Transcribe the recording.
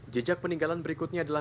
jejak peninggalan berikutnya adalah